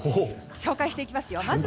紹介していきます。